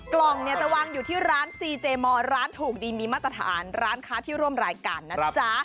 กล่องเนี่ยจะวางอยู่ที่ร้านซีเจมอร์ร้านถูกดีมีมาตรฐานร้านค้าที่ร่วมรายการนะจ๊ะ